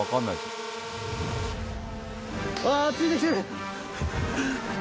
あー、ついてきてる。